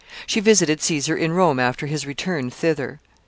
She visited Caesar in Rome after his return thither.